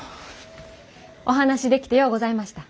お話しできてようございました。